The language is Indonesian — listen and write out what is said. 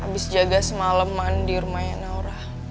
abis jaga semalam mandi rumahnya naura